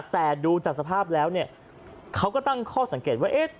แต่ดูจากสภาพแล้วเนี่ยเขาก็ตั้งข้อสังเกตว่า